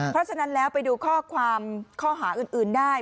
เพราะฉะนั้นแล้วไปดูข้อหาอื่นได้